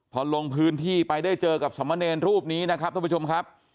พอลงพื้นที่ไปได้เจอกับสมเนรรูปนี้นะครับท่านผู้ชมครับ